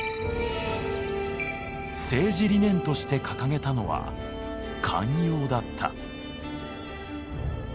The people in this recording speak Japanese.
政治理念として掲げたのは「寛容」だった。